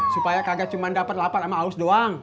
supaya kagak cuma dapat lapar sama alus doang